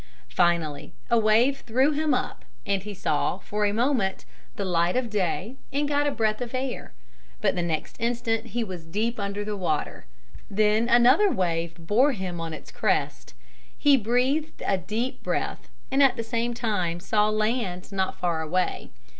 Finally a wave threw him up and he saw, for a moment, the light of day and got a breath of air, but the next instant he was deep under the water. Then another wave bore him on its crest. He breathed a deep breath and at the same time saw land not far away.